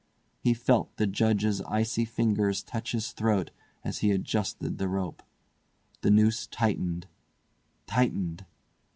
He felt the Judge's icy fingers touch his throat as he adjusted the rope. The noose tightened—tightened.